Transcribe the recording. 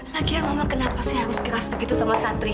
lagian mama kenapa sih harus keras begitu sama satria